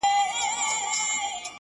ناهيلی نه یم. بیا هم سوال کومه ولي. ولي.